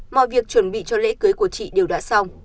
mọi việc chuẩn bị cho lễ cưới của chị đều đã xong